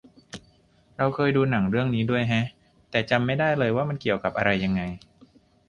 เราเคยดูหนังเรื่องนี้ด้วยแฮะ แต่จำไม่ได้เลยว่ามันเกี่ยวกับอะไรยังไง